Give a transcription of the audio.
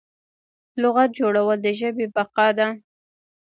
لغت جوړول د ژبې بقا ده.